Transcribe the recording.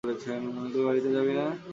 তুই বাড়িতে যাবি না?